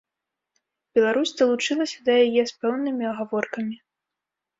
Беларусь далучылася да яе з пэўнымі агаворкамі.